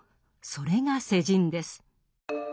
それが「世人」です。